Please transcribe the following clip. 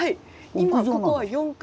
今ここは４階。